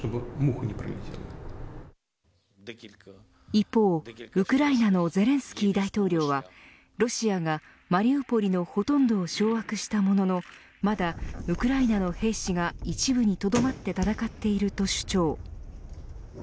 一方、ウクライナのゼレンスキー大統領はロシアがマリウポリのほとんどを掌握したもののまだ、ウクライナの兵士が一部にとどまって戦っていると主張。